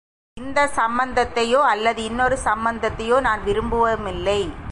இந்தச் சம்மந்தத்தையோ அல்லது இன்னொரு சம்மந்தத்தையோ நான் விரும்பவுமில்லை.